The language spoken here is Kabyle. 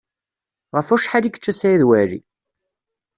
Ɣef wacḥal i yečča Saɛid Waɛli?